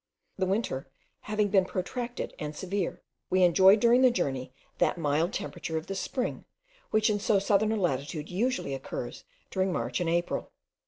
The winter having been protracted and severe, we enjoyed during the journey that mild temperature of the spring, which in so southern a latitude usually occurs during March and April.